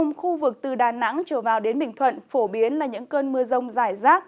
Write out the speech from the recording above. khu vực từ đà nẵng trở vào đến bình thuận phổ biến là những cơn mưa rông rải rác